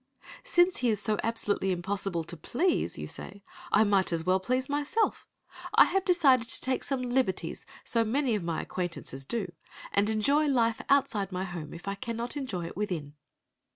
"Since he is so absolutely impossible to please," you say, "I may as well please myself. I have decided to take some of the liberties so many of my acquaintances do, and enjoy life outside my home if I cannot enjoy it within."